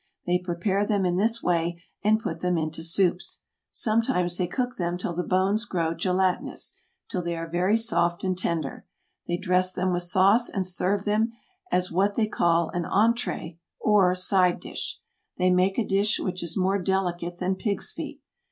They prepare them in this way and put them into soups; sometimes they cook them till the bones grow gelatinous, till they are very soft and tender; they dress them with sauce and serve them as what they call an entree or side dish. They make a dish which is more delicate than pigs' feet.